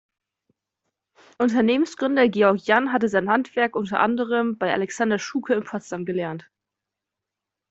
Unternehmensgründer Georg Jann hatte sein Handwerk unter anderem bei Alexander Schuke in Potsdam gelernt.